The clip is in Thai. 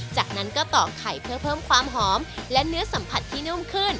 จากนั้นก็ต่อไข่เพื่อเพิ่มความหอมและเนื้อสัมผัสที่นุ่มขึ้น